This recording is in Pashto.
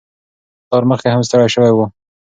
پلار مخکې هم ستړی شوی و.